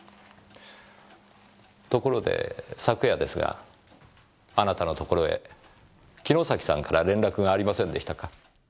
ところで昨夜ですがあなたのところへ城崎さんから連絡がありませんでしたか？